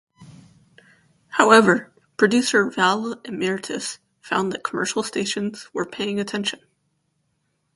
However producer Val Eimutis found that commercial stations were paying attention.